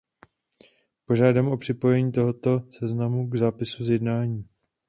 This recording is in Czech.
Požádám o připojení tohoto seznamu k zápisu z jednání.